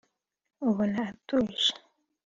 ubona atuje